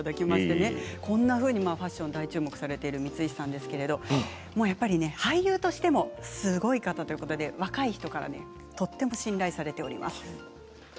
こんなふうにファッション大注目されている光石さんですが俳優としても若い人からとても信頼されております。